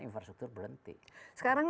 infrastruktur berhenti sekarang